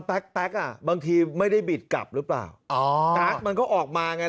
แต๊กอ่ะบางทีไม่ได้บิดกลับหรือเปล่าอ๋อการ์ดมันก็ออกมาไง